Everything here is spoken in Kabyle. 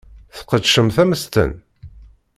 Tesqedcemt ammesten?